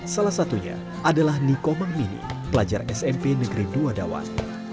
salah satunya adalah niko mangmini pelajar smp negeri duadawan